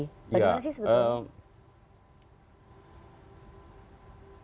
bagaimana sih sebetulnya